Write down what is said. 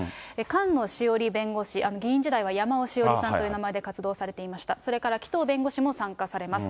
菅野志桜里弁護士、議員時代は山尾志桜里さんという名前で活動されていました、それから紀藤弁護士も参加されます。